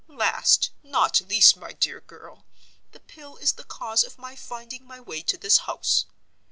Last, not least, my dear girl, the Pill is the cause of my finding my way to this house.